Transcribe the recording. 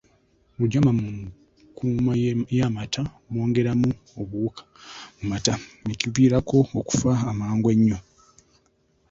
Obujama mu nkuuma y’amata bwongeramu obuwuka mu mata ne kigaviirako okufa amangu ennyo.